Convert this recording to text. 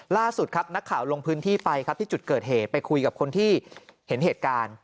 ล่าสุดครับนักข่าวลงพื้นที่ไปครับที่จุดเกิดเหตุไปคุยกับคนที่เห็นเหตุการณ์